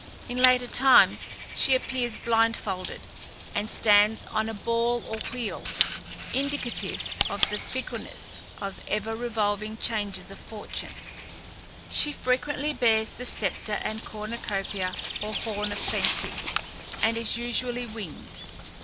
In later times she appears blindfolded, and stands on a ball or wheel, indicative of the fickleness and ever revolving changes of fortune. She frequently bears the sceptre and cornucopia or horn of plenty, and is usually winged.